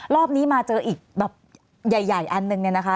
รอบนี้มาเจออีกแบบใหญ่อันหนึ่งเนี่ยนะคะ